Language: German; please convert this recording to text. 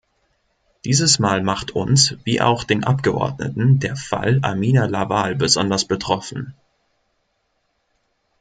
Dieses Mal macht uns, wie auch den Abgeordneten, der Fall Amina Lawal besonders betroffen.